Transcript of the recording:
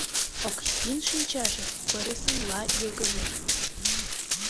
Оксин шинчаже пырысынла йылгыжеш.